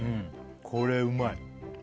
これうまい！